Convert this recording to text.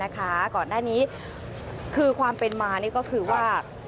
ก่อนหน้านี้คือความเป็นมานี่ก็คือว่า